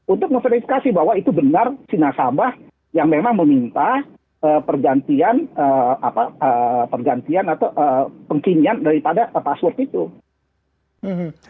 untuk memperlifikasi bahwa itu benar sinasabah yang memang meminta pergantian atau pengkinginan daripada password itu